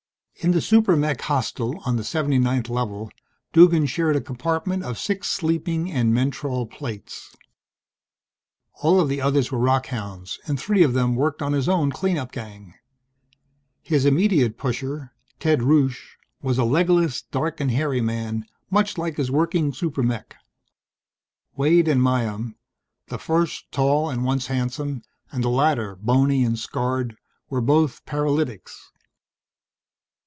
In the super mech hostel, on the 79th Level, Duggan shared a compartment of six sleeping and mentrol plates. All of the others were rockhounds, and three of them worked in his own clean up gang. His immediate pusher, Ted Rusche, was a legless, dark and hairy man, much like his working super mech. Waide and Myham, the first tall and once handsome, and the latter, bony and scarred, were both paralytics.